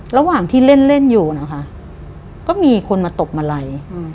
ระหว่างที่เล่นเล่นอยู่นะคะก็มีคนมาตบมาลัย